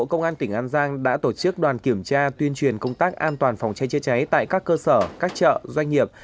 công an tỉnh an giang đã tổ chức đoàn kiểm tra tuyên truyền công tác an toàn phòng cháy chữa cháy tại các cơ sở các chợ doanh nghiệp